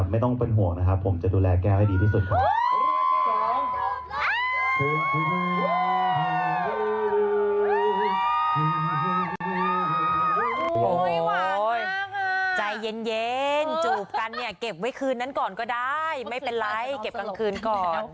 ใจเย็นจูบกันเนี่ยเก็บไว้คืนนั้นก่อนก็ได้ไม่เป็นไรเก็บกลางคืนก่อน